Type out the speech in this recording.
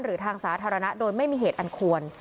หรือทางสาธารณะโดยไม่มีเหตุอันควร